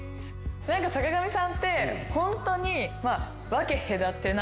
何か坂上さんってホントに。